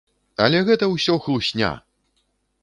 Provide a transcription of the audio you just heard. Але гэта ўсё хлусня!